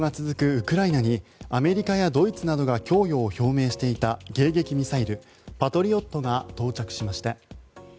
ウクライナにアメリカやドイツなどが供与を表明していた迎撃ミサイル、パトリオットが到着しました。